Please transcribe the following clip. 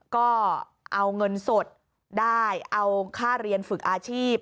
ก็เอาเงินสดได้เอาค่าเรียนฝึกอาชีพ